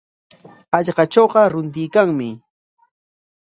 Hallqatrawqa runtuykanmi.